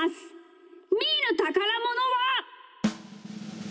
みーのたからものは。